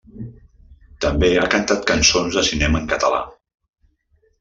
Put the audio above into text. També ha cantat cançons de cinema en català.